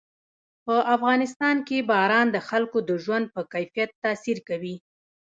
په افغانستان کې باران د خلکو د ژوند په کیفیت تاثیر کوي.